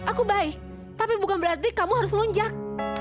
aku baik tapi bukan berarti kamu harus melunjak